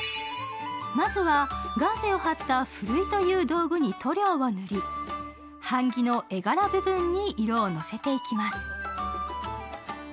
まずは、ガーゼを張ったふるいという道具に塗料を塗り版木の絵柄部分に色を乗せていきます。